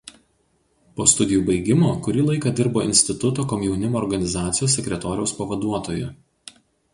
Po studijų baigimo kurį laiką dirbo instituto komjaunimo organizacijos sekretoriaus pavaduotoju.